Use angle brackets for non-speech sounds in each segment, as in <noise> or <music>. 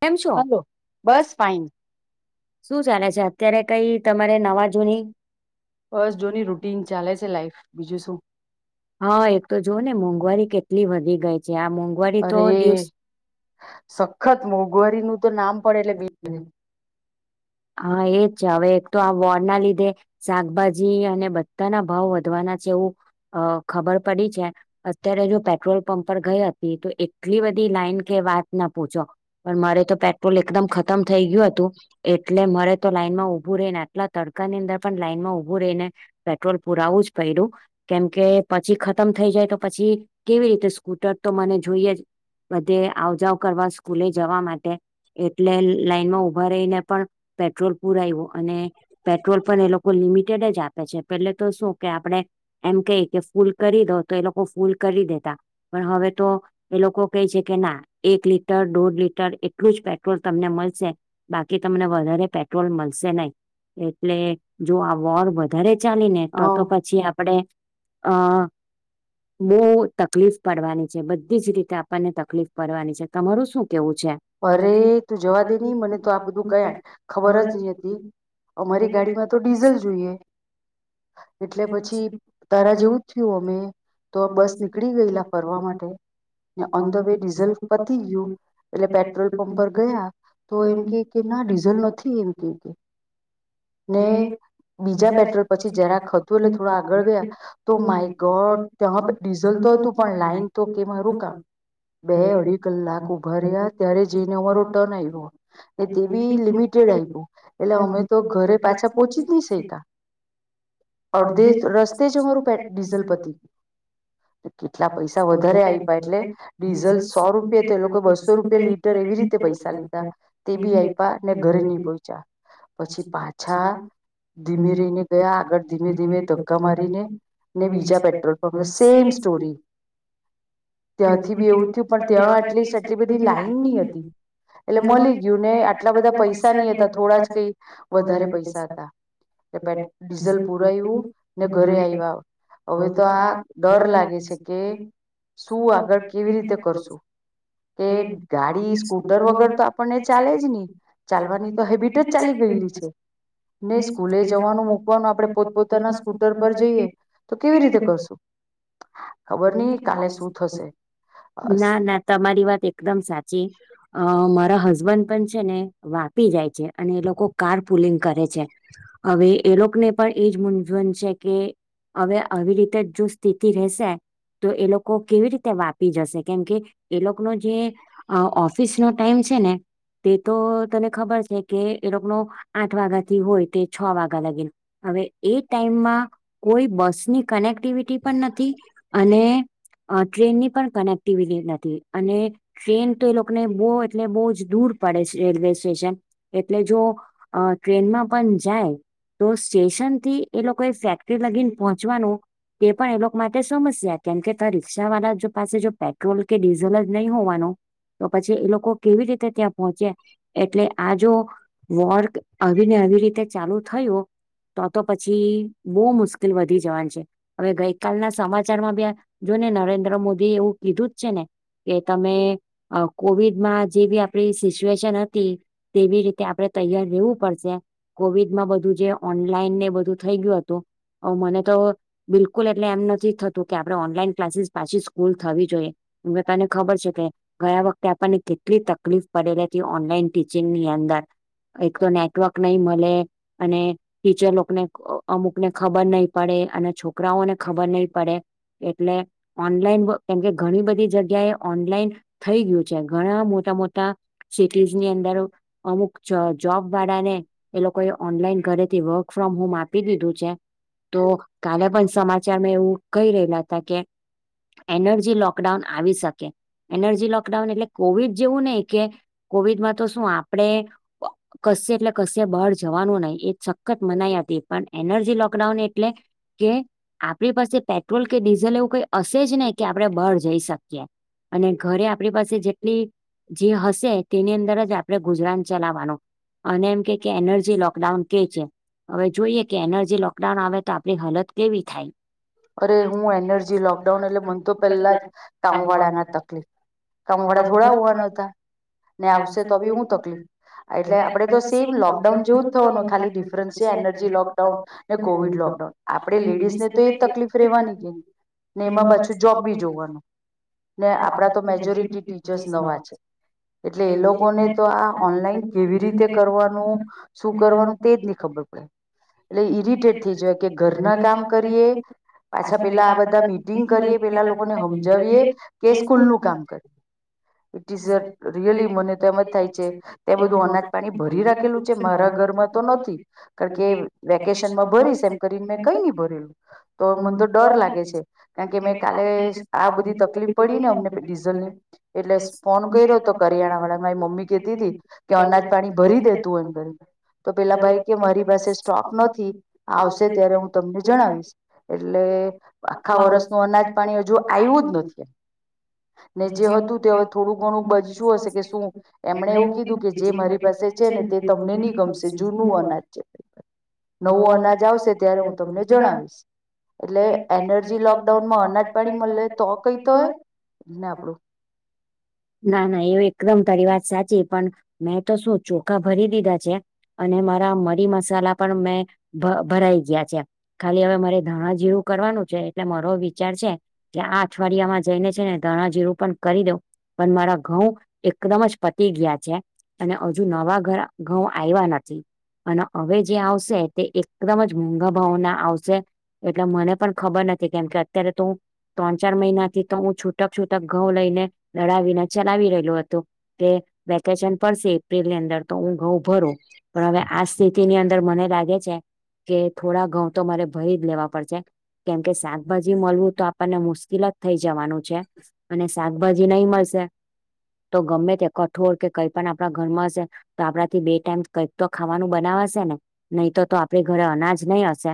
કેમ છો? હલો, બસ ફાઇન. શું ચાલે છે અત્યારે? કઈ તમારે નવા જૂની? બસ જોની રૂટીન ચાલે છે લાઈફ બીજું શું <unintelligible> હા એક તો જો ને મોંઘવારી કે ટલી વધી ગઈ જયાં મોંઘવારી તો અરે દિવસ સખત મોંઘવારી નું તો નામ પડે એટલે <inaudible> હા એજ છે હવે એક તો આ વોર ના લીધે શાકભાજી અને બધાના ભાવ વધવાના છે એવું અ ખબર પડી છે અત્યારે જો પેટ્રોલ પંપ પર ઘયાત તો એટલી બધી લાઈન કે વાત ના પૂછો. પણ મારે તો પેટ્રોલ એકદમ ખતમ થઈ ગયું હતું. એટલે મારે તો લાઈન માં ઊભું રહી ને આટલા તડકાની અંદર પણ લાઈનમાં ઉભું રહીને પેટ્રોલ પુરાવું જ પડ્યું કેમ કે પછી ખતમ થઈ જાય તો પછી કેવી રીતે સ્કૂટર તો મને જોઈએ જ. બધે આવજાવ કરવા સ્કૂ સ્કૂલે જવા માટે એટલે લાઈનમાં ઉભા રહીને પણ પેટ્રોલ પુરાયવો અને પેટ્રોલ પણ એ લોકો લિમિટ કે જ આપે છે પેહલે તો શું કે આપડે એમ કેય કે ફૂલ કરી દો તો એ લોકો ફૂલ કરી દેતા. પણ હવે તો એ લોકો કેય છે કે ના એક લીટર દોઢ લીટર એટલું જ પેટ્રોલ તમને મલશે. બાક કી તમને વધારે પેટ્રોલ મલશે નહીં એટલે જો આ વોર વધારે ચાલી ને તો તો પછી આપડે અ બહુ તકલીફ પડવાની છે બધી જ રીતે આપણને તકલીફ પડવાની છે તમારું શું કેવું છે અરે તું જવા દે ની મને તો આ બધું કયા ખબર જ ની હતી અમારી ગાડીમાં તો ડીઝલ જોઈએ એટલે પછી તારા જેવું જ થયું અમે તો બસ નીકળી ગયેલા ફરવા માટે ઓન ધ વે ડીઝલ પતી ગયું એટલે પે પેટ્રોલ પંપ પર ગયા તો એમ કે કે ના ડીઝલ નથી એમ કેવ કે ને બીજા પેટ્રોલ પછી જરા હતું એટલે થોડા આગળ ગયા તો માય ગોડ ત્યા ડીઝલ તો હતું પણ લાઈન તો કે મારું કામ બે અઢી કલાક ઉભા રહ્યા ત્યારે જઈને ઉમારું ટર્ન આવ્યો. તે બી લિમિટેડ આપ્યું એટલે અમે તો ઘરે પાછા પોહોંચી જ નહી સકા અડધે રસ્તે જ અમારું ડીઝલ પતી ગયું કેટલા પૈસા વધારે આપ્યા એટલે ડીઝલ સો રૂપે તો એ લોકો બસો રૂપ એટલે લીટર એવી રીતે પૈસા લીધા. તે ભી આપ્યા ને ઘરે નહી પહોંચ્યા પછી પાછા ધીમે રહીને ગયા આગળ ધીમે ધીમે ધક્કા મારીને ને બીજા પેટ્રોલ પંપ સેમ સ્ટોરી ત્યાંથી ભી એવું થયું પણ ત્યાં એટલીસ્ટ એટલી બધી લાઈન ની હતી એટલે મલી ને આટલા બધા પૈસા નહી હતા થોડા જ કઈ વધારે પૈસા હતા એટ-પે-ડીઝલ પુરાયું ને ઘરે આવ્યા હવે તો આ ડર લાગે છે કે શું આગળ કેવી રીતે કરશું? કે ગાડી સ્કૂટર વગર તો આપણને ચાલે જ ની. ચાલવાની તો હેબિટ જ ચાલી ગયેલી છે. ને સ્કૂલે જવાનું મૂકવાનું આપડે પોતપોતાના સ્કૂટર પર જઈએ તો કેવી રીતે કરશું ખબર નઈ કાલે શું થશે. અસ એ વાત એકદમ સાચી. અ મારા હસબ હસબન્ડ પણ છે ને વાપી જાય છે. અને એ લોકો કાર પુલિંગ કરે છે. હવે એ લોકોને પણ એ જ મૂંઝવન છે કે હવે આવી રીતે જો સ્થિતિ રહેશે તો એ લોકો કેવી રીતે વાપી જશે કેમ કે એ લોકોનો જે અ ઓફિસનો ટાઈમ છે ને તે તો તને ખબર છે કે એ લોકોનુ આઠ વાગાથી હોય તે છ વાગા લગીન. હવે એ ટાઈમમાં કોઈ બસની કનેક્ટિવિટી પણ નથી અને ટ્રેનની અ પણ કનેક્ટિવિટી નથી અને ટ્રેન તો એ લોકોને બો એટલે બો જ દૂર પડે છે રેલવે સ્ટેશન. એટલે જો અ ટ્રેનમાં પણ જાય તો સ્ટેશનથી એ લોકોએ ફેક્ટરી લગીન પહોંચવાનું તે પણ એ લોકો માટે સમસ્યા. કેમ કે તાં રિક્ષાવાળા જો પાસે જો પેટ્રોલ કે ડીઝલ જ નહીં હોવાનો તો પછી એ લોકો કેવી રીતે તાં પોંહચે એટલે આ જો વોર્ક આવીને આવી રીતે ચાલુ થયો. તો તો પછી બહુ મુશ્કેલ વધી જવાની છે હવે ગઈ કાલના સમાજ ચારમાં જોય ને નરેન્દ્ર મોદી એવું કીધું જ છે ને. કે તમે અ કોવિડમાં જેવી અપ આપણી સિચ્યુએશન હતી તેવી રીતે આપડણે તૈયાર રહેવું પડશે કોવિડમાં બધું જે ઓનલાઈન ને બધું થઈ ગયું હતું મને તો બિલકુલ એટલે એમ નથી થતું કે આપણે ઓનલાઈન ક્લાસીસ પાછી સ્કૂલ થવી જોઈએ તને ખબર છે કે ગયા વખતે આપણને કેટલી તક તકલીફ પડેલીતી ઓનલાઈન ટીચિંગની અંદર એક તો નેટવર્ક નહી મળે અને ટીચર લોકોકને અમુક ને ખબર નહીં પડે અને છોકરાઓને ખબર નહી પડે એટલે ઓનલાઈન કેમકે ઘણી બધી જગ્યાએ ઓનલાઈન થઈ ગયું છે ઘણા મોટા મોટા ત સિટીઝ ની અંદર અમુક જોબ વાળા ને એ લોકોએ ઓનલાઈન ઘરેથી વર્ક ફ્રોમ હોમ આપી દીધું છે તો કાલે પણ સમાચારમાં એવું કઈ રહેલા હતા કે એનર્જી લોકડાઉન આવી શકે એનર્જી લોકડાઉન એટલે કોવિડ જેવું એક કે કોવિડ માં તો શું આપ આપણે કશ એટલે કશ બહાર જવાનું નહીિ સખત મનાયા હતી પણ એનર્જી લોકડાઉન એટલે કે આપણી પાસે પેટ્રોલ કે ડીઝલ એવું કઈ હશે જ નને કે આપણે બહળ જઈ શકએ અને ઘરે આપણી પાસે જે ્ તેની અંદર જ આપણે ગુજરાન ચલાવવાનું અને એમ કે એનર્જી લોક લોકડાઉન કે છે હવે જોઈએ કે એનર્જી લોકડાઉન આવે તો આપડી હાલત કેવી થાય અરે હું એનર્જી લોકડાઉન એટલે મને તો પેલા જ કામ વાળા ના તકલીફ કામ વાળા થોડા હોવાના ને આવશે તો બી હું તકલીફ એટલે આપણેે તો સેમ લોકડાઉન જેવું જ થવાનું ખાલી ડિફરન્સ છે એનર્જી લોકડાઉન ને કોવિડ લોકડાઉન આપણે લેડીઝને તકલીફ રેવાની છે ને એમાં પાછું જોબ બી જોવાનું ને આપડા તો મેજોરિટી ટીચર્સ નવા છે એટલે એ લોકોને તો આ ઓનલાઈન કેવી રીતે કરવાનું શું કરવાનું તેજ નહી ખબર પડે એટલે ઈરિટેટ થઈ જાય કે ઘરના કામ પાછા પેલા આ બધા મીટિંગ કરીએ પેલા લોકોને સમજાવએ કે સ્કૂલ નું કામ કરીએ ટ રિયલી મને તો એમ જ થાય છે. ત્યાં બધું અનાજ પાણી ભરી રાખેલું છે. મારા ઘરમાં તો નથી કારણકે વેકેશનમાં ભરીશ એમ કરીને મેં કઈ નની ભરેલું તો મને તો ડર લાગે છે. કારણ કે મેં કાલેજ આ બધી તકલીફ પડી ને અમને ડીઝલ ની એટલે ફોન કાયરો તો કરિયાણા વાળા મારી મમ્મી કતી હતી. કે અનાજ પાણી ભરી દેતું એમ કર તો પેલા ભાઈ કે મારી પાસે સ્ટોક નથી આવશે ત્યારે હું તમને જણાવીશ એટલે આખા વર્ષનું અનાજ પાણી હજુ આવ્યું જ નથી ને જે હતું તે હવે થોડુંક ઘણું બજ શું હશે કે શું એમણે એવું કીધું કે જે મારી પાસે છે ને તે તમને નહી ગમશે જૂનું અનાજ છે નવું અનાજ આવશે ત્યારે હું તમને જણાવીશ. એટલે એનર્જી લોકડાઉન માં અનાજ પાણી મળે તો કઈ તોયને આપડું ના ના એવ એકદમ તારી વાત સાચી પણ મેં તો શું ચોખા ભરી દીધા છે. અને મારા મરી મસાલા પણ મેં ભ ભરાઈ ગયા છે ખાલી હવે મારે ધણા જીરું કરવાનું છે એટલે મારો વિચાર છે કે આ અઠવાડિયામાં જઈને છે ને ધાણા જીરું પણ કરી દઉં. પણ મારા ઘઉં એકદમ જ પતી ગયા છે. અને હજુ નવા ઘરા ઘઉં આવ્યા નથી અને હવે જે આવશે તે એકદમ જ મોઘા ભાવના આવશે એટલે મને પણ ખબર નથી કેમ કે અત્યારે તો હુ ત્રણ ચાર મહિના થી તો હું છૂટક છૂટક ઘઉં લઈને લડાવીને ચલાવી રહેલું હતું તે વેકેશન પડશે એપ્રિલ ની અંદર તો હું ઘઉં ભરું પણ હવે આ સ્થિતિ ની અંદર મને લાગે છે કે થોડા ઘઉં તો મારે ભરી જ લેવા. પરસે કેમ શાકભાજી મળું તો આપણને મુશ્કેલ જ થઈ જવાનું છે. અને શા જી નહી મળશે. તો ગમે ત્યા કઠોર કે કઈ પણ આપણા ઘરમાં હશે તો આપડા થી બે ટાઈમ કઈક તો ખાવાનું બનાવાશે ને. નહી તો તો આપડે ઘરે અનાજ જ નહી અશે.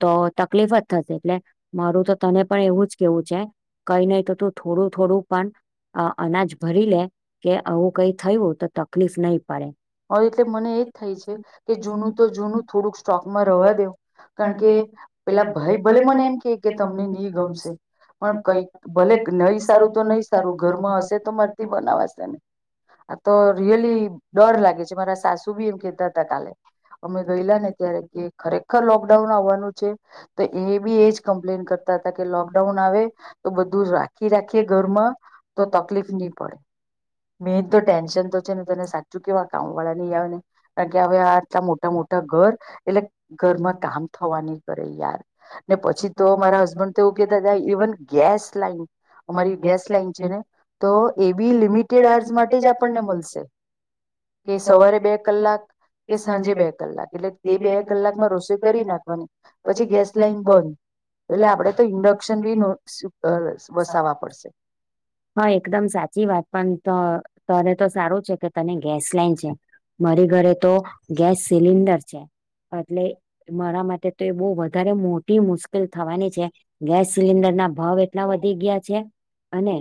તો તકલીફ જ થશે. એટલે મારું તો તને પણ એવું જ કેવું છે. કઈ નહી તો તોું થોડું-થોડું પણ અ અનાજ ભરી લે. કે આવું કઈ થયું તો તકલીફ નહીં પડે. હ એટલે મને એજ થાય છે. કે જૂનું તો જૂનું થોડુંક સ્ટોકમાં રવા દેવ કારણ કે પેલા ભાઈ ભલે મને એમ કે કે તમને નહી ગમશે પણ કઈક ભલે નહી સારું તો તો નહી સારું ઘરમાં હશે તો મારથી બનાવાશેને આ તો રિયલી ડર લાગે છે મારા સાસુ બી એમ કેતા હતા કાલે અમે ગયેલા ને ત્યારે કે ખરેખર લોકડાઉન આવવાનું છે. તો એ બી એજ કમ્પ્લેન કરતા હતા કે લોકડાઉન આવે તો બધું રાખી રાખીએ. ઘરમાં તો તકલીફ નહી પડે મેન તો ટેન્શન તો છે ને તને કેવા કામ વાળા ની આવે ને કારણ કે હવે આટલા મોટા મોટા ઘર એટલે ઘરમાં કામ થવા ની કરે યાર ને પછી તો મારા હસબન્ડ તો એવું કતા ઇવન ગેસ લાઈન અમારી ગેસ લાઈન છે ને તો એ બી લિમિટેડ આર્જ માટે જ આપણને મળશે. કે સવારે બે કલાક કે સાંજે બે કલાક એટલે તે બે કલાકમાં રસોઈ કરી નાખવાની પછી ગેસ લાઈન બંધ એટલે આપડે તો ઇન્ડક્શન બી ન અ સ વસવા હા એકદમ સાચી વાત પણ તો તારે તો સારું છે કે તને ગેસ લાઈન છે મારી ઘરે તો ગેસ સિલિન્ડર છે એટલે મારા માટે તો એ બહ વધારે મોટી મુશ્કેલ થવાની છે ગેસ સિલિન્ડર ના ભાવ એટલા વધી ગયા છે. અને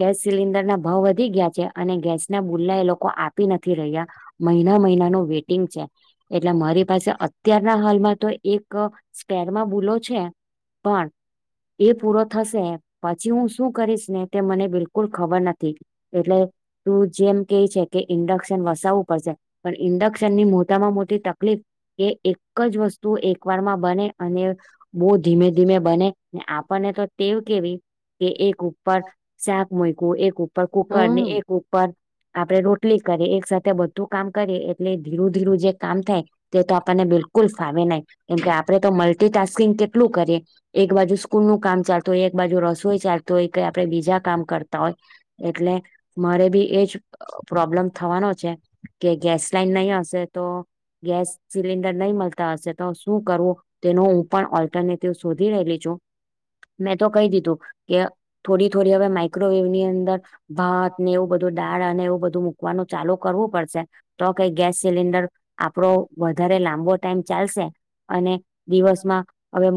ગેસ સિલિન્ડર ના ભાવ વધી ગયા છે અને ગેસ ના બુલ્લા એ લોકો આપી નથી રહ્યા મહિના મહિનાનું વેટિંગ છે એટલે મારી પાસે અત્યારના હાલમાં તો એક સ્પેરમાં ભૂલો છે પણ એ પૂરો થશે પછી હું શું કરીશ ને તે મને બિલકુલ ખબર નથી. એટલે ટુ જે એમ કે છે કે ઇન્ડક્શન વસાવવું પડશે પણ ઇન્ડક્શનની મોટામાં મોટી તકલીફ એ એક જ વસ્તુ એક વારમાં બને અને બહુ ધીમે ધીમે બને ને આપણને તો ટેવ કેવી કે એક ઉપર શાક મુકવું એક ઉપર કુકર ને હમ એક ઉપર આપડે રોટલી કરીે એક સાથે તે બધું કામ કરીએ એટલે ધીરું ધીરું જે કામ થાય તે તો આપણને બિલકુલ ફાવે નાહ કેમકે આપડણે તો મલ્ટીટાસ્કિંગ કેટલું કરીએ. એક બાજુ સ્કૂલ નું કામ ચાલ એક બાજુ રસોઈ ચાલત હોય કે આપડણે બીજા કામ કરતા હોય. એટલે મારે બી એજ પ્રોબ્લેમ થવાનો છે કે ગેસ લાઈન નહી હશે તો ગેસ સિલિન્ડર નહી મલ તા હશે તો શું કરવું તેનો હું પણ ઓલ્ટરને તે શોધી રેલી છું. મેં તો કહી દીધું કે થોડી થોડી હવે માઇક્રોવેવ ની અંદર ભાત ને એવું બધું દાળ અને એવું બધું મૂકવાનું ચાલુ કરવું પડશે. તો કઈ ગેસ સિલિન્ડર આપડો વધારે લાંબો ટાઈમ ચાલશે. અને દિવસમાં હવે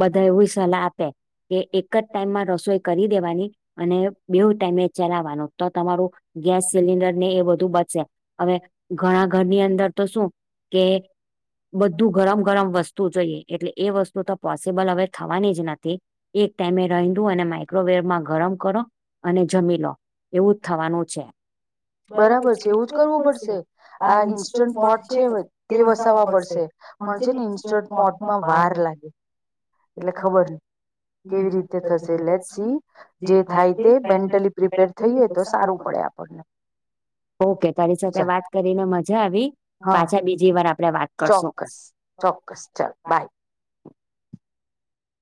બધા એવી સલાહ આપે કે એક જ ટાઈમમાં રસોઈ કરી દેવાની. અને બેવ ટાઈમે ચલાવાનું. તો તમારું ગેસ સિલિન્ડર ને એ બધ ધું બ સે. હવે ઘણા ઘરની અંદર તો શું કે બધું ગરમ ગરમ વસ્તુ જોઈએ, એટલે એ વસ્તુ તો પોસિબલ હવે થવાની જ નથ થી એક ટાઈમે રંધીયુ અને માઇક્રોવેવ માં ગરમ કરો. અને જમીલો, એવું જ થવાનું છે. બરાબર છે એવું જ કરવું પડશે આ ઇન્સ્ટન્ટ પોટ છે તે વસાવવા પડશે પણ છે ને ઇન્સ્ટન્ટ પોટમાં વાર લાગે એટલે ખબર નહી કેવી રીતે થશે લેટ સી જે થાય તે મેન્ટલી પ્રિપેર થઈએ તો સારું પડે આપણને ઓકે, તારી સાથે ચાલ વાત કરીને મજા આવી. હા પાછા બીજી વાર. <inaudible> કરશું ચોક્કસ, ચોક્કસ. ચાલ બાય.